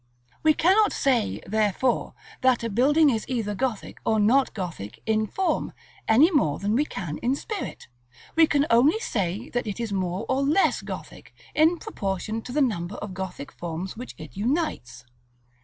We cannot say, therefore, that a building is either Gothic or not Gothic in form, any more than we can in spirit. We can only say that it is more or less Gothic, in proportion to the number of Gothic forms which it unites.